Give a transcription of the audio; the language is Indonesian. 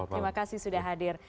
terima kasih sudah hadir